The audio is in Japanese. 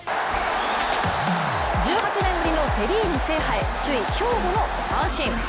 １８年ぶりのセ・リーグ制覇へ首位・兵庫の阪神。